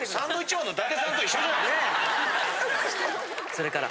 それから。